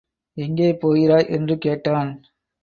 எங்கே போகிறாய்? என்று கேட்டான்!